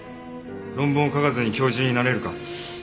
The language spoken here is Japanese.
論文を書かずに教授になれるか？